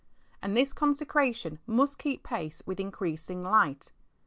And this consecration must keep pace with increasing light.